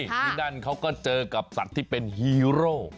ที่นั่นเขาก็เจอกับสัตว์ที่เป็นฮีโร่